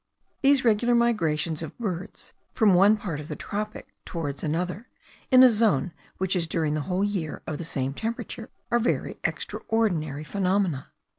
These regular migrations of birds from one part of the tropics towards another, in a zone which is during the whole year of the same temperature, are very extraordinary phenomena.